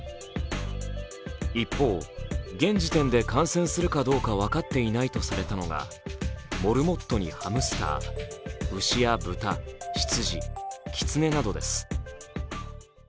一方、現時点で感染するかどうか分かっていないとされたのがモルモットにハムスター牛や豚、羊、きつねなどです。